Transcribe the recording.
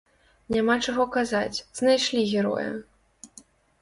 Няма чаго казаць, знайшлі героя!